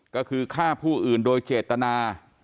ก็คือฆ่าผู้อื่นโดยเจตนา